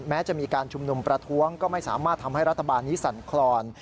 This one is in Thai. แม้จะมีการชุมนุมประท้วงก็ไม่สามารถทำให้รัฐบาลนี้สั่นคลอน